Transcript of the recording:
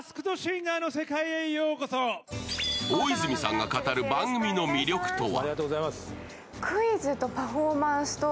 大泉さんが語る番組の魅力とは？